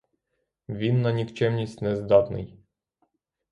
Він на нікчемність нездатний.